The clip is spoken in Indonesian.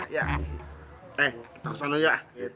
ya eh kita kesana ya